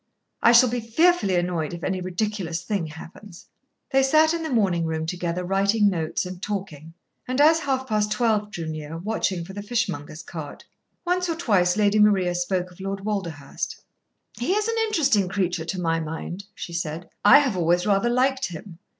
I shall be fearfully annoyed if any ridiculous thing happens." They sat in the morning room together writing notes and talking, and as half past twelve drew near, watching for the fishmonger's cart. Once or twice Lady Maria spoke of Lord Walderhurst. "He is an interesting creature, to my mind," she said. "I have always rather liked him.